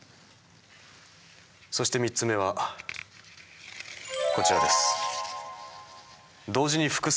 そして３つ目はこちらです。